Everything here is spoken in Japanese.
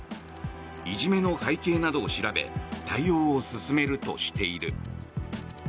いじめの背景などを調べ対応を進めるとしている。